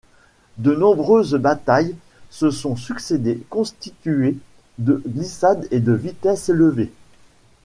De nombreuses batailles se sont succédé constituées de glissades et de vitesses élevées.